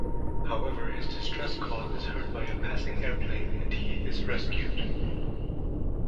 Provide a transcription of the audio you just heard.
However, his distress call is heard by a passing airplane, and he is rescued.